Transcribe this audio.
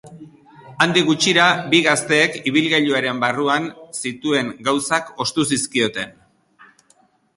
Handik gutxira, bi gazteek ibilgailuaren barruan zituen gauzak ostu zizkioten.